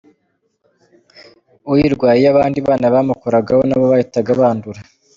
Uyirwaye iyo abandi bana bamukoragaho nabo bahitaga bandura.